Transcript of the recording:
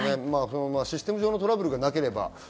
システム上のトラブルがなければ。